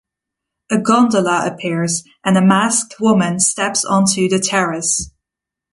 A gondola appears and a masked woman steps onto the terrace.